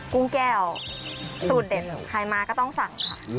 กุ้งแก้วสูตรเด็ดใครมาก็ต้องสั่งค่ะ